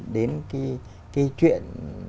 đến cái chuyện